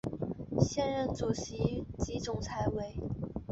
现任主席及总裁为。